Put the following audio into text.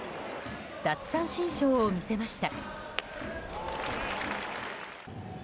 奪三振ショーを見せました。